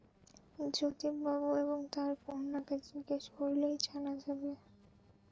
জ্যোতিবাবু এবং তাঁর কন্যাকে জিজ্ঞেস করলেই জানা যাবে।